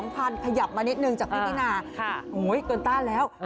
ขยับมานิดนึงจากพี่ตินาเกินต้าแล้ว